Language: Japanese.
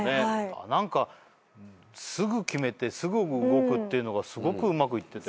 何かすぐ決めてすぐ動くっていうのがすごくうまくいってた。